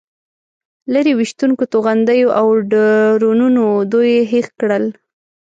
لرې ویشتونکو توغندیو او ډرونونو دوی هېښ کړل.